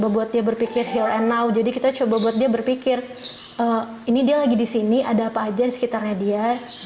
berpikir heal and now jadi kita coba buat dia berpikir ini dia lagi disini ada apa aja di sekitarnya dia